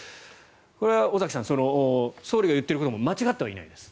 これは尾崎さん総理が言っていることも間違ってはいないです。